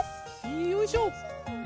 よいしょ。